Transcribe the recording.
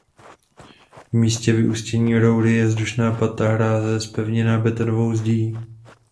V místě vyústění roury je vzdušná pata hráze zpevněna betonovou zdí.